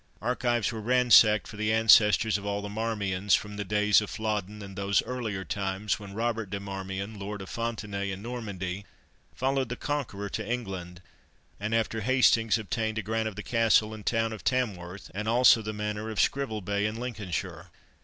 Archives were ransacked for the ancestors of all the Marmions, from the days of Flodden and those earlier times when Robert de Marmion, Lord of Fontenaye in Normandy, followed the Conqueror to England, and after Hastings obtained a grant of the castle and town of Tamworth, and also the manor of Scrivelbaye, in Lincolnshire.